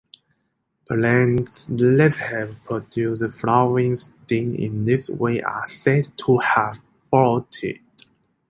Plants that have produced flowering stems in this way are said to have bolted.